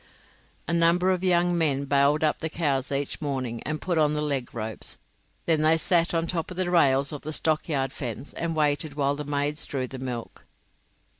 A number of young men bailed up the cows each morning, and put on the leg ropes; then they sat on the top rails of the stockyard fence and waited while the maids drew the milk.